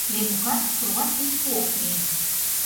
Ленукат кровать лишке ок мий.